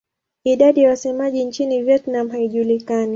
Idadi ya wasemaji nchini Vietnam haijulikani.